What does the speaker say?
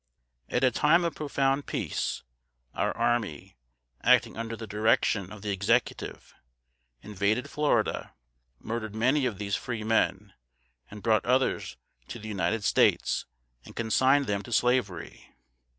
At a time of profound peace, our army, acting under the direction of the Executive, invaded Florida, murdered many of these free men, and brought others to the United States and consigned them to slavery.